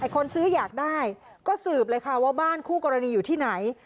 คนซื้ออยากได้ก็สืบเลยค่ะว่าบ้านคู่กรณีอยู่ที่ไหน